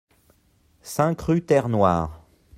cinq rue Terre Noire